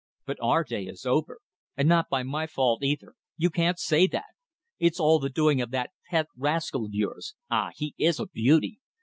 But our day is over. And not by my fault either. You can't say that. It's all the doing of that pet rascal of yours. Ah! He is a beauty!